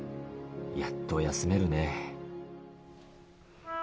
やっと休めるね。